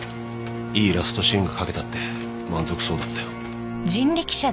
いいラストシーンが書けたって満足そうだったよ。